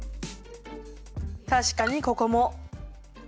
確かにここも。